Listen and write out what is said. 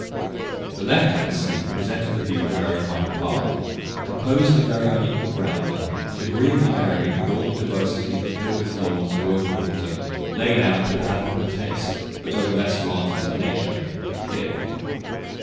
The left hand scene presented the view of a very fine park, composed of very unequal ground, and agreeably varied with all the diversity that hills, lawns, wood, and water, laid out with admirable taste, but owing less to art than to nature, could give.